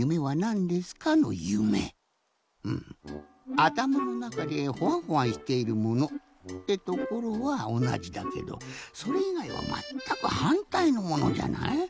あたまのなかでホワンホワンしているものってところはおなじだけどそれいがいはまったくはんたいのものじゃない？